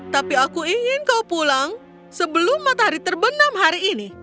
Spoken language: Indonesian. tapi aku ingin kau pulang sebelum matahari terbenam hari ini